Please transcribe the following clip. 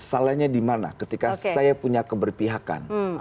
salahnya di mana ketika saya punya keberpihakan